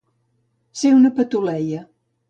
Ser una patuleia.